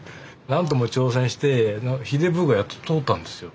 何度も挑戦して「ひでぶ」がやっと通ったんですよ。